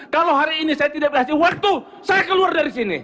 kalau hari ini saya tidak kasih waktu saya keluar dari sini